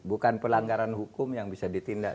bukan pelanggaran hukum yang bisa ditindak